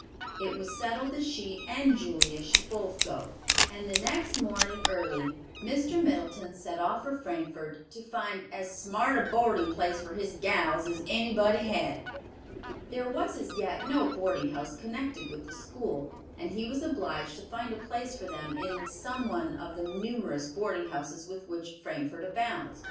It was settled that she and Julia should both go, and the next morning early Mr. Middleton set off for Frankfort to find "as smart a boarding place for his gals as anybody had." There was as yet no boarding house connected with the school, and he was obliged to find a place for them in some one of the numerous boarding houses with which Frankfort abounds.